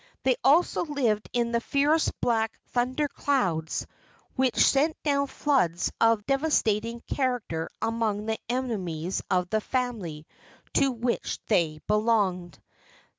They also lived in the fierce black thunder clouds which sent down floods of a devastating character upon the enemies of the family to which they belonged.